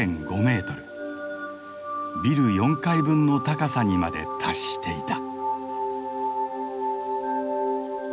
ビル４階分の高さにまで達していた。